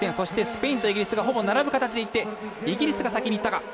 スペインとイギリスがほぼ並ぶ形でいってイギリスが先にいったか。